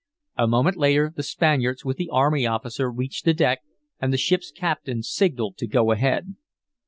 A moment later the Spaniards with the army officer reached the deck, and the ship's captain signaled to go ahead.